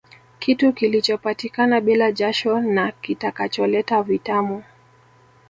Kitu kilichopatikana bila jasho na kitakacholeta vitamu